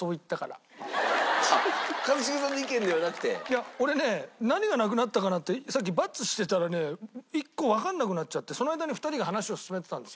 いや俺ね何がなくなったかなってさっきバツしてたらね１個わかんなくなっちゃってその間に２人が話を進めてたんですよ。